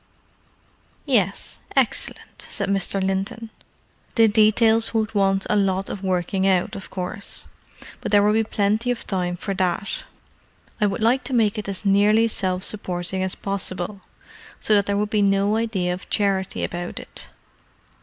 "Yes—excellent," said Mr. Linton. "The details would want a lot of working out, of course: but there will be plenty of time for that. I would like to make it as nearly self supporting as possible, so that there would be no idea of charity about it."